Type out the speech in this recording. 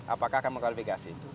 apakah akan mengklarifikasi